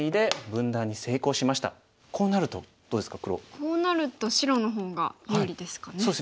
こうなると白の方が有利ですかね。